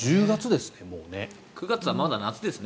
９月はまだ夏ですね。